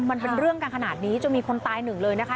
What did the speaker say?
มันเป็นเรื่องกันขนาดนี้จนมีคนตายหนึ่งเลยนะคะ